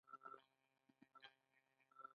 مرئیتوب دولتونو به ځینې قشرونه په کار ګمارل.